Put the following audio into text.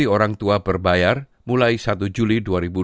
orang tua berbayar mulai satu juli dua ribu dua puluh